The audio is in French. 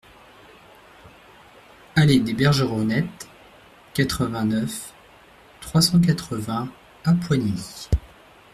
Allée des Bergeronettes, quatre-vingt-neuf, trois cent quatre-vingts Appoigny